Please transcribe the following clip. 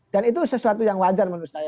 dan itu sesuatu yang wajar menurut saya